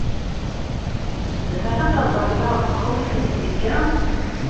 Zemreɣ ad ḍelbeɣ deg-kunt lemzeyya?